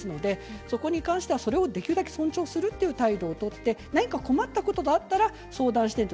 そこに関しては、それをできるだけ尊重するという態度を取って何か困ったことがあったら相談してと。